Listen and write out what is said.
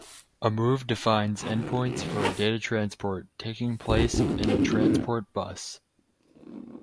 A move defines endpoints for a data transport taking place in a transport bus.